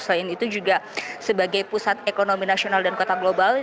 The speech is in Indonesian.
selain itu juga sebagai pusat ekonomi nasional dan kota global